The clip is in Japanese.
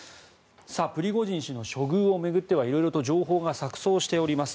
プリゴジン氏の処遇を巡っては色々と情報が錯そうしております。